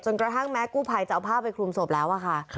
กระทั่งแม้กู้ภัยจะเอาผ้าไปคลุมศพแล้วอะค่ะ